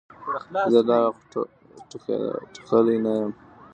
زه لا ټوخلې نه یم.